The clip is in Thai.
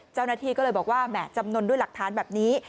เจ้าหน้าที่ก็เลยบอกว่าแหม่จำนวนด้วยหลักฐานแบบนี้